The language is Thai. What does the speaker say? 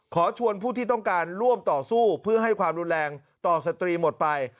ขอชวนผู้ที่ต้องการร่วมต่อสู้เพื่อให้ความรุนแรงต่อสตรีหมดไป